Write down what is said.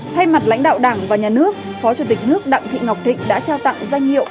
thay mặt lãnh đạo đảng và nhà nước phó chủ tịch nước đặng thị ngọc thịnh đã trao tặng danh hiệu